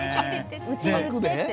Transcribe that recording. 「うちに売って」って。